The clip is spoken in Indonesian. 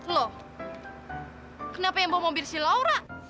loh kenapa yang bawa mobil si laura